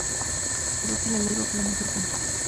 Ángela Leyva fue la mejor punta del torneo.